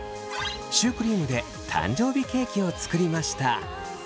シュークリームで誕生日ケーキを作りました。